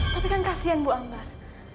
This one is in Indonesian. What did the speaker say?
tapi kan kasian bu ambar